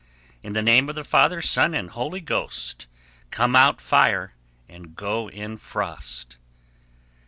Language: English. In the name of the Father, Son, and Holy Ghost, Come out fire and go in frost.